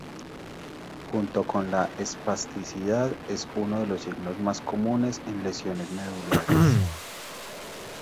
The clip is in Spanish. Junto con la espasticidad, es uno de los signos más comunes en lesiones medulares.